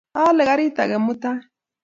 Aale karit age mutai